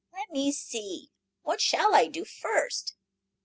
Let me see, what shall I do first?